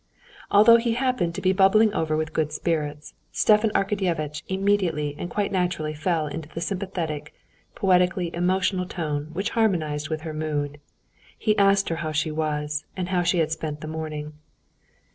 Although he happened to be bubbling over with good spirits, Stepan Arkadyevitch immediately and quite naturally fell into the sympathetic, poetically emotional tone which harmonized with her mood. He asked her how she was, and how she had spent the morning.